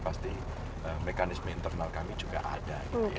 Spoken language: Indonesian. pasti mekanisme internal kami juga ada